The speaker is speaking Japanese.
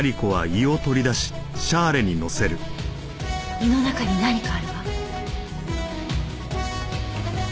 胃の中に何かあるわ。